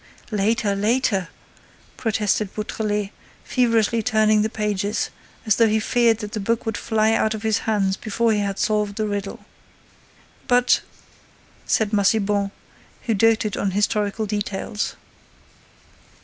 "Later, later," protested Beautrelet, feverishly turning the pages, as though he feared that the book would fly out of his hands before he had solved the riddle. "But—" said Massiban, who doted on historical details.